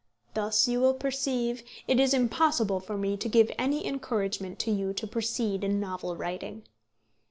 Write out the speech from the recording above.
Thus you will perceive it is impossible for me to give any encouragement to you to proceed in novel writing.